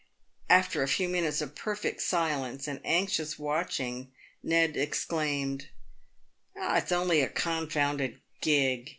After a few minutes of • perfect silence and anxious watching,* Ned ex claimed, "It's only a confounded gig!"